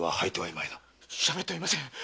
しゃべっておりません。